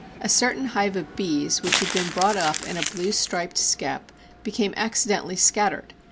A certain hive of bees which had been brought up in a blue striped skep became accidentally scattered.